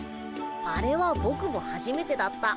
あれはボクもはじめてだった。